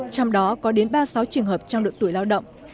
trong đó có đến ba mươi sáu trường hợp trong độ tuổi lao động